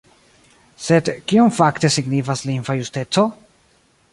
Sed kion fakte signifas lingva justeco?